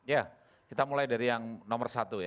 ya kita mulai dari yang nomor satu ya